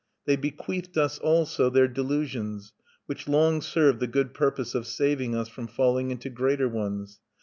They bequeathed us also their delusions which long served the good purpose of saving us from falling into greater ones.